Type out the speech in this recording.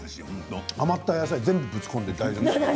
余った野菜全部ぶち込んで大丈夫。